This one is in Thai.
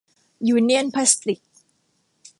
ยูเนี่ยนพลาสติก